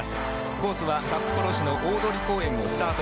コースは札幌市の大通公園をスタート